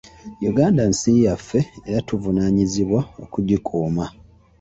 Uganda nsi yaffe era tuvunaanyizibwa okugikuuma.